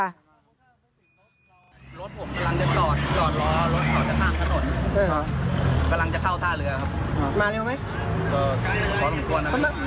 ตัวที่เบสแตกอ่ะมาจากไหน